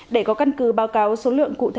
để có căn cứ báo cáo số lượng cụ thể